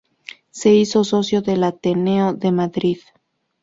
Se hizo socio del Ateneo de Madrid.